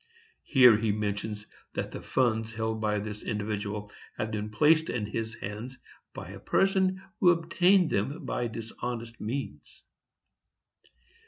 [Here he mentions that the funds held by this individual had been placed in his hands by a person who obtained them by dishonest means.